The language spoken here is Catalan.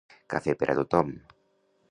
Cafè per a tothom.